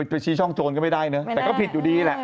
แต่ก็ผิดดีแหละ